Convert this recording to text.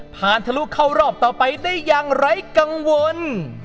ทะลุเข้ารอบต่อไปได้อย่างไร้กังวล